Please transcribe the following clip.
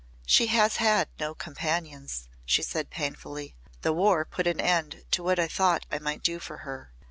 "She has had no companions," she said painfully. "The War put an end to what I thought I might do for her.